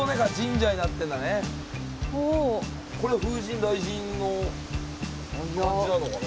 これ風神雷神の感じなのかな？